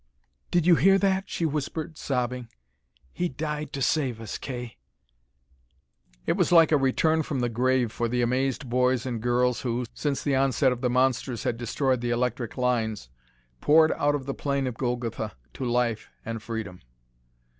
"Did you hear that?" she whispered, sobbing. "He died to save us Kay." It was like a return from the grave for the amazed boys and girls who since the onset of the monsters had destroyed the electric lines poured out of the plain of Golgotha to life and freedom.